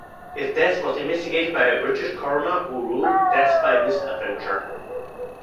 His death was investigated by a British coroner who ruled 'death by misadventure'.